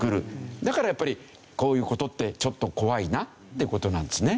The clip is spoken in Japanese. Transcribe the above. だからやっぱりこういう事ってちょっと怖いなって事なんですね。